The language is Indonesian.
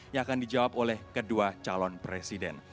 yang akan dijawab oleh kedua calon presiden